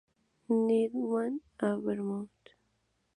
Newman Arboretum.